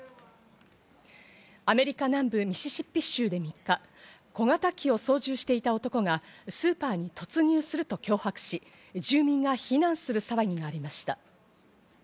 アメリカ南部ミシシッピ州で３日、小型機を操縦していた男がスーパーに突入すると脅迫し、住民が避難する騒ぎがありました。